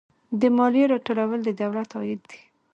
د مالیې راټولول د دولت عاید دی